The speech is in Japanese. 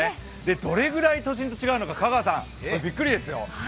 どれくらい都心と違うのか、香川さん、びっくりですよ。